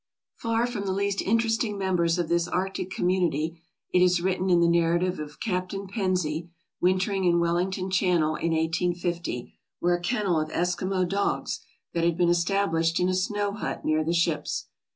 "Far from the least interesting members of this arctic community, " it is written in the narrative of Captain Pennsy, wintering in Wellington Channel in 1850, "were a kennel of Eskimo dogs that had been established in a snow hut near the ships.